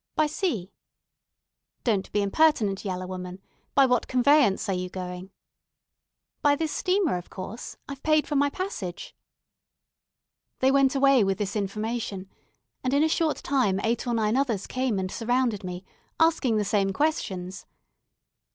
"By sea." "Don't be impertinent, yaller woman. By what conveyance air you going?" "By this steamer, of course. I've paid for my passage." They went away with this information; and in a short time eight or nine others came and surrounded me, asking the same questions.